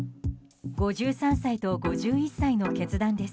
５３歳と５１歳の決断です。